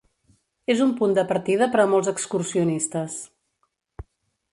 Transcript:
És un punt de partida per a molts excursionistes.